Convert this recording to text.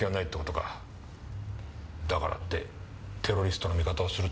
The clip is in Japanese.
だからってテロリストの味方をするとはな。